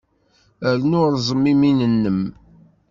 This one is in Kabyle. Rnu rẓem imi-nnem.